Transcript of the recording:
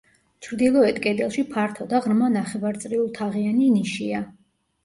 ჩრდილოეთ კედელში ფართო და ღრმა ნახევარწრიულთაღიანი ნიშია.